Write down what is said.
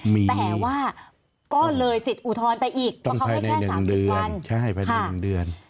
แต่ว่าก็เลยสิทธิ์อุทรไปอีกมาเข้าให้แค่๓๐วัน